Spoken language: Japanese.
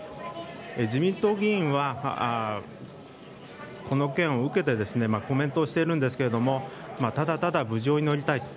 自民党議員は、この件を受けてコメントしているんですけれどもただただ無事を祈りたいと。